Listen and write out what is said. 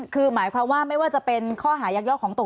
คือหมายความว่าไม่ว่าจะเป็นข้อหายักยอกของตน